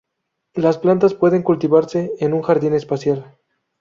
Las plantas pueden cultivarse en un jardín espacial.